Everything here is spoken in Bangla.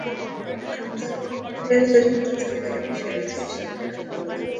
হত্যায় বাবুলের জড়িত থাকার বিষয়ে যেসব প্রশ্ন তোলা হচ্ছে, তার সবই অপ্রাসঙ্গিক।